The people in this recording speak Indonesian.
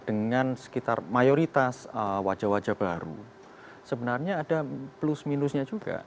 dengan sekitar mayoritas wajah wajah baru sebenarnya ada plus minusnya juga